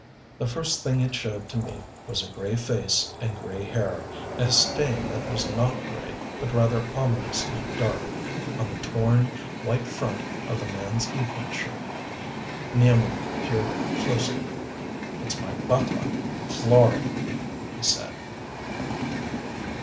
The first thing it showed to me was a gray face and gray hair, and a stain that was not gray, but rather ominously dark, on the torn, white front of the man's evening shirt. Nealman peered closely. "It's my butler, Florey," he said.